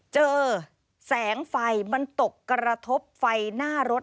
เจอแสงไฟมันตกกระทบไฟหน้ารถ